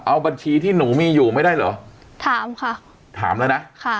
เอาบัญชีที่หนูมีอยู่ไม่ได้เหรอถามค่ะถามแล้วนะค่ะ